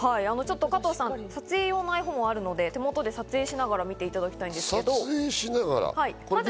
撮影用のｉＰｈｏｎｅがあるので手元で撮影しながら見ていただきたいんですけど。